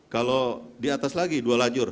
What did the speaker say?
kalau diatas lagi dua lajur